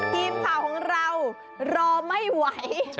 ทีมข่าวของเรารอไม่ไหว